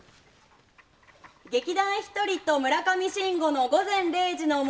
劇団ひとりと村上信五の「午前０時の森」